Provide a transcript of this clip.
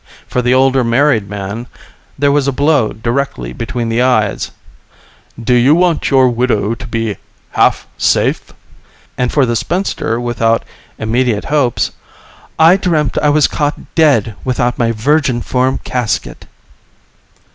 For the older married man, there was a blow directly between the eyes: "Do You Want Your Widow to Be Half Safe?" And, for the spinster without immediate hopes, "_I Dreamt I Was Caught Dead Without My Virginform Casket!